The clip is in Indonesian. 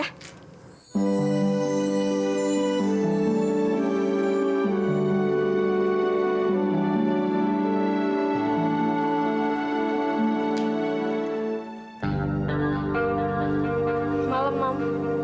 selamat malam mam